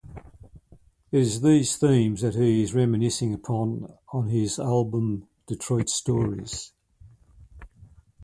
It is these themes that he is reminiscing upon on his album Detroit Stories.